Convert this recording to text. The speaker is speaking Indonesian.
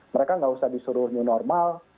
mereka nggak usah disuruh new normal